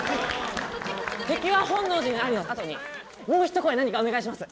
「敵は本能寺にあり」のあとにもう一声何かお願いします。